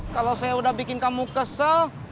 kalau saya udah bikin kamu kesel